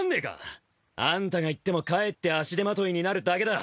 あんたが行ってもかえって足手まといになるだけだ。